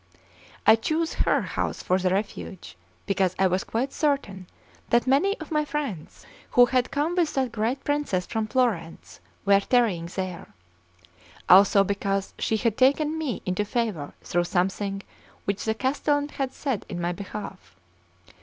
I chose her house for refuge, because I was quite certain that many of my friends, who had come with that great princess from Florence, were tarrying there; also because she had taken me into favour through something which the castellan had said in my behalf.